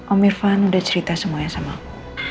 om irfan udah cerita semuanya sama aku